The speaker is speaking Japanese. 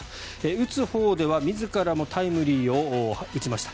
打つほうでは自らもタイムリーを打ちました。